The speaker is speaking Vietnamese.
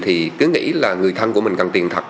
thì cứ nghĩ là người thân của mình cần tiền thật